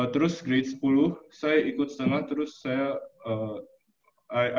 terus grade sepuluh saya ikut sana terus saya